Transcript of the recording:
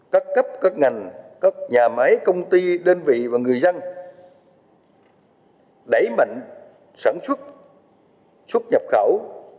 các cấp các ngành các nhà máy công ty đơn vị và người dân đẩy mạnh sản xuất xuất nhập khẩu